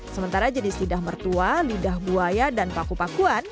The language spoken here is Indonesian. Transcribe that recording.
sementara jenis lidah mertua lidah buaya dan paku pakuan